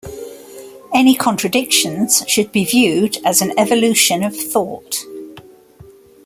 Any contradictions should be viewed as an evolution of thought.